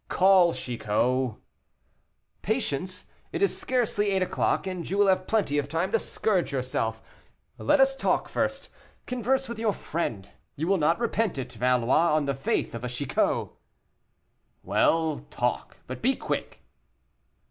"Call, Chicot." "Patience; it is scarcely eight o'clock, and you will have plenty of time to scourge yourself. Let us talk first. Converse with your friend; you will not repent it, Valois, on the faith of a Chicot." "Well, talk; but be quick."